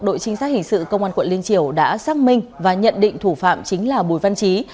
đội trinh sát hình sự công an quận liên triều đã xác minh và nhận định thủ phạm chính là bùi văn trí